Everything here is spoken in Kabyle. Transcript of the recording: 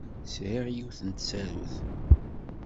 Sɛiɣ yiwet n tsarut.